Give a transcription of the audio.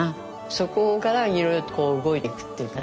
そこからいろいろとこう動いていくっていうかね